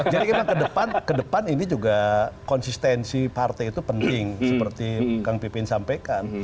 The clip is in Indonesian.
jadi ke depan konsistensi partai itu penting seperti kang pipin sampaikan